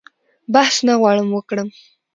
بحث نه غواړم وکړم.